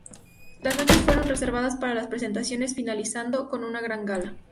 Las noches fueron reservadas para las presentaciones finalizando con una gran gala.